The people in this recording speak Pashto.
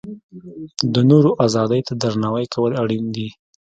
د نورو ازادۍ ته درناوی کول اړین دي.